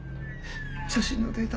「写真のデータ